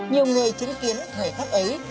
nhiều người chứng kiến thời khắc ấy